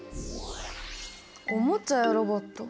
おもちゃやロボット。